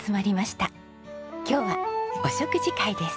今日はお食事会です。